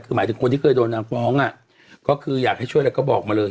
คือหมายถึงคนที่เคยโดนนางฟ้องอ่ะก็คืออยากให้ช่วยแล้วก็บอกมาเลย